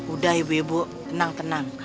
udah ibu ibu tenang tenang